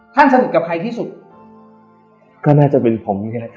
ท่านสนุกกับใครที่สุดก็น่าจะเป็นผมเนี่ยครับพี่ฉัน